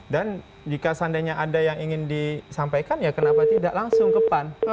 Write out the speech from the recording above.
dan jika seandainya ada yang ingin disampaikan ya kenapa tidak langsung ke pan